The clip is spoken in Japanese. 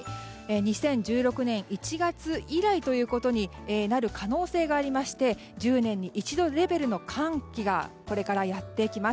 ２０１６年１月以来ということになる可能性がありまして１０年に一度レベルの寒気がこれからやってきます。